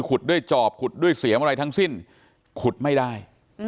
ด้วยจอบขุดด้วยเสียมอะไรทั้งสิ้นขุดไม่ได้